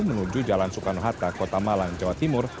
menuju jalan sukarnohata kota malang jawa timur